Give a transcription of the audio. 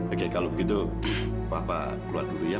oke kalau begitu bapak keluar dulu ya